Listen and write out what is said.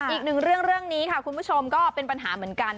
อีกหนึ่งเรื่องเรื่องนี้ค่ะคุณผู้ชมก็เป็นปัญหาเหมือนกัน